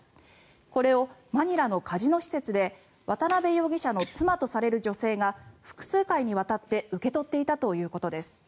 これをマニラのカジノ施設で渡邉容疑者の妻とされる女性が複数回にわたって受け取っていたということです。